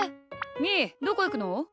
みーどこいくの？